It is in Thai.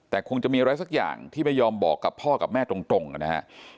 แต่คงจะมีอะไรสักอย่างที่ไม่ยอมบอกกับพ่อกับแม่ตรงนะครับ